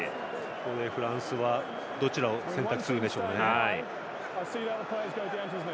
フランスはどちらを選択するでしょうかね。